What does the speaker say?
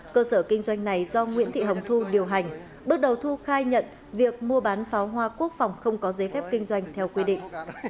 cơ sở kinh doanh này do nguyễn thị hồng thu điều hành bước đầu thu khai nhận việc mua bán pháo hoa quốc phòng không có giấy phép kinh doanh theo quy định